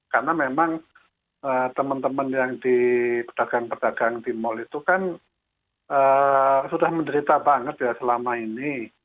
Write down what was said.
karena memang teman teman yang di pedagang pedagang di mal itu kan sudah menderita banget ya selama ini